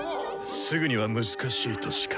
すぐには難しいとしか。